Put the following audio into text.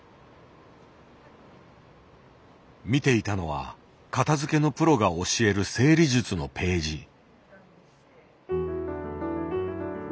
見ていたのは片づけのプロが教える整理術のページ。